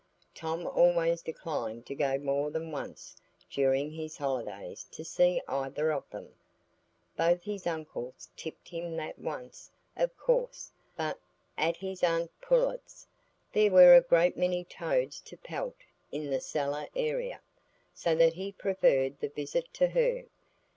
Tom always declined to go more than once during his holidays to see either of them. Both his uncles tipped him that once, of course; but at his aunt Pullet's there were a great many toads to pelt in the cellar area, so that he preferred the visit to her.